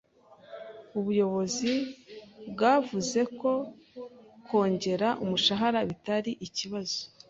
Ubuyobozi bwavuze ko kongera umushahara bitari ikibazo.